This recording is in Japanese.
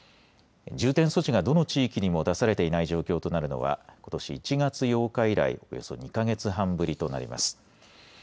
重点措置がどの地域にも出されていない状況となるのはことし１月８日以来、およそ２か月半ぶりとなります。